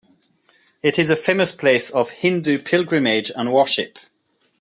It is a famous place of Hindu pilgrimage and worship.